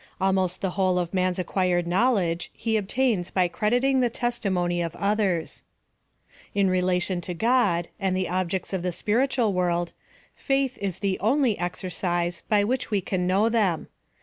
Almost the whole of man's acquired knowledge he obtains by crediting the testimony of others. In relation to God, and the objects of the spirit ual world, faith is the only exercise by which we can know them.